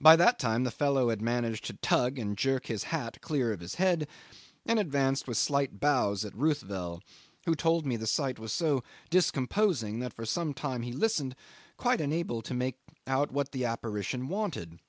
By that time the fellow had managed to tug and jerk his hat clear of his head, and advanced with slight bows at Ruthvel, who told me the sight was so discomposing that for some time he listened, quite unable to make out what that apparition wanted.